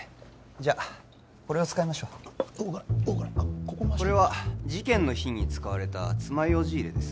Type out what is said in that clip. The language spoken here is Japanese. じゃあこれを使いましょうこれは事件の日に使われた爪楊枝入れです